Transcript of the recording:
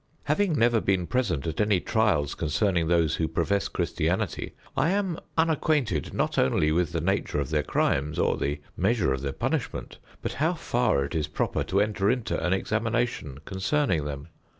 Having never been present at any trials concerning those who profess Christianity, I am unacquainted not only with the nature of their crimes, or the measure of their punishment, but how far it is proper to enter into an examination concerning them.